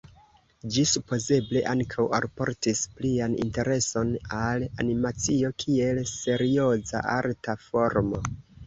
Ĝi supozeble ankaŭ alportis plian intereson al animacio kiel serioza arta formo.